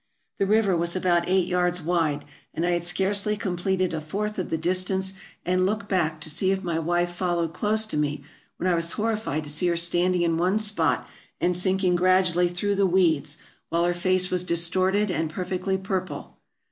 The river was about eight yards wide, and I had scarcely completed a fourth of the distance and looked back AFRICA 377 to see if my wife followed close to me, when I was horrified to see her standing in one spot, and sinking gradually through the weeds, while her face was distorted and per fectly purple.